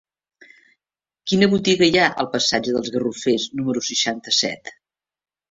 Quina botiga hi ha al passatge dels Garrofers número seixanta-set?